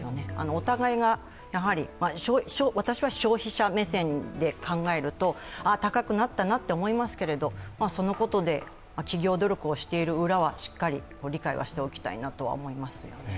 お互いが、私は消費者目線で考えると高くなったなと思いますけど、そのことで企業努力をしている裏はしっかり理解はしておきたいなと思いますよね。